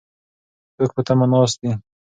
څوک په تمه ناست دي؟